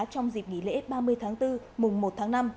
trong dịp nghỉ lễ ba mươi tháng bốn